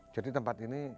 jadi tempat ini